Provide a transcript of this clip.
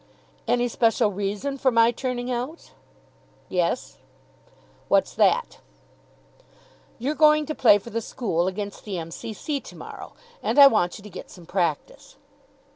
"Any special reason for my turning out?" "Yes." "What's that?" "You're going to play for the school against the M.C.C. to morrow, and I want you to get some practice."